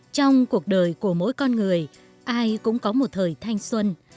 trong cuộc đời của mỗi con người ai cũng có một thời thanh xuân